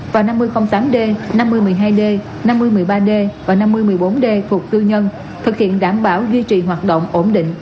và năm mươi tám d năm mươi một mươi hai d năm mươi một mươi ba d và năm mươi một mươi bốn d thuộc tư nhân thực hiện đảm bảo duy trì hoạt động ổn định